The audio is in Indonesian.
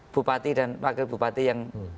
bupati dan wakil bupati yang